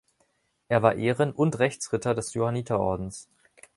Er war Ehren- und Rechtsritter des Johanniterordens.